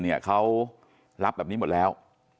เนี่ยเขารับแบบนี้หมดแล้ว